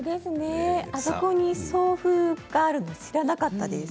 あそこに送風があるって知らなかったです。